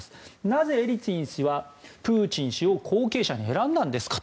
なぜエリツィン氏はプーチン氏を後継者に選んだんですか？